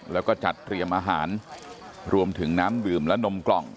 แล้วก็จัดเตรียมอาหารรวมถึงน้ำดื่มและนมกล่อง